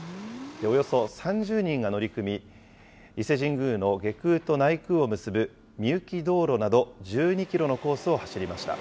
およそ３０人が乗り組み、伊勢神宮の外宮と内宮を結ぶ御幸道路など１２キロのコースを走りました。